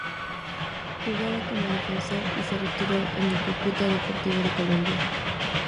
Jugaba como defensor y se retiró en el Cúcuta Deportivo de Colombia.